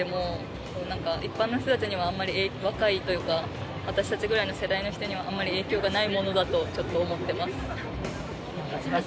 一般の人たちには若いというか私たちぐらいの世代の人にはあんまり影響がないものだとちょっと思ってます。